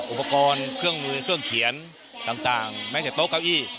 อุปกรณ์เครื่องมือเครื่องเขียนต่างแม้แต่โต๊ะเก้าอี้